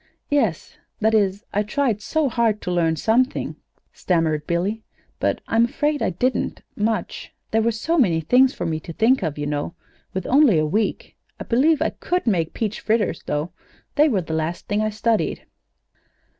"Yes; that is I tried so hard to learn something," stammered Billy. "But I'm afraid I didn't much; there were so many things for me to think of, you know, with only a week. I believe I could make peach fritters, though. They were the last thing I studied."